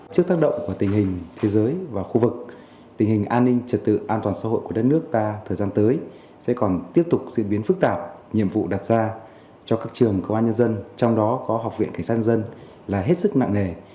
trước tác động của tình hình thế giới và khu vực tình hình an ninh trật tự an toàn xã hội của đất nước ta thời gian tới sẽ còn tiếp tục diễn biến phức tạp nhiệm vụ đặt ra cho các trường công an nhân dân trong đó có học viện cảnh sát nhân dân là hết sức nặng nề